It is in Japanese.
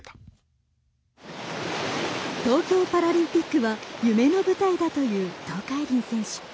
東京パラリンピックは夢の舞台だという東海林選手。